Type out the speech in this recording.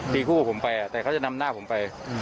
ตีคู่กับผมไปแต่เขาจะนำหน้าผมไป